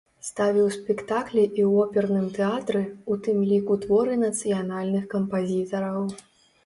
Ставіў спектаклі і ў оперным тэатры, у тым ліку творы нацыянальных кампазітараў.